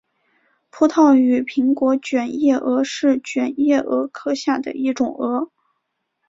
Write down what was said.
葡萄与苹果卷叶蛾是卷叶蛾科下的一种蛾。